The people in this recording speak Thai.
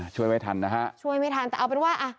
ช่วยไว้ทันนะฮะช่วยไม่ทันแต่เอาเป็นว่าอ่ะ